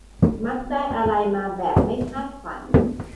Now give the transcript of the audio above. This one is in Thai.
มักได้อะไรมาแบบไม่คาดฝัน